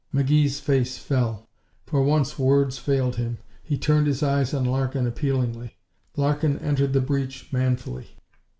McGee's face fell. For once words failed him. He turned his eyes on Larkin, appealingly. Larkin entered the breach manfully.